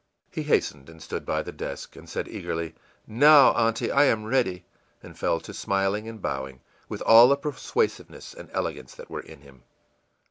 î He hastened and stood by the desk, and said eagerly, ìNow, Aunty, I am ready,î and fell to smiling and bowing with all the persuasiveness and elegance that were in him.